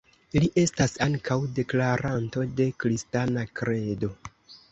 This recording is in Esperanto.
Li estas ankaŭ deklaranto de kristana kredo.